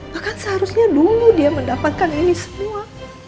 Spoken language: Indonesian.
maka seharusnya dulu dia mendapatkan ini semua